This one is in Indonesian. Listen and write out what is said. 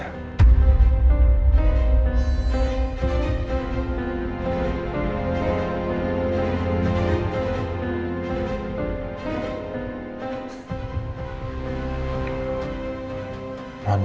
lama lama saya kasihan dengan anda